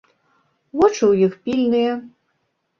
Вочы ў іх пільныя.